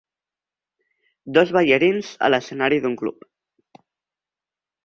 Dos ballarins a l'escenari d'un club.